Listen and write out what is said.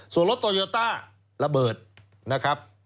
ส่วนรถโตโยต้าระเบิดนะครับ